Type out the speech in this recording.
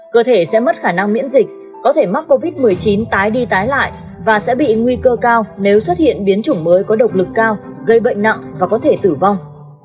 cơ thể sẽ mất khả năng miễn dịch có thể mắc covid một mươi chín tái đi tái lại và sẽ bị nguy cơ cao nếu xuất hiện biến chủng mới có độc lực cao gây bệnh nặng và có thể tử vong